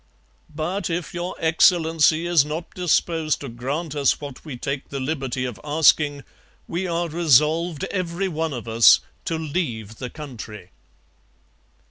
But if Your Excellency is not disposed to grant us what we take the liberty of asking, we are resolved, every one of us, to leave the country.'